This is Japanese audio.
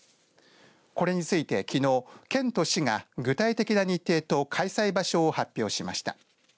これについて、きのう県と市が具体的な日程と開催場所を発表しました。